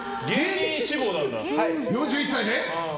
４１歳で？